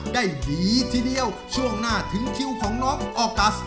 ได้ดีทีเดียวช่วงหน้าถึงคิวของน้องออกัส